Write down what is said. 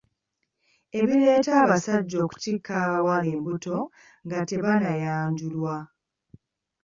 Ebireeta abasajja okutikka abawala embuto nga tebannayanjulwa